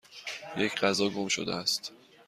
یک غذا گم شده است.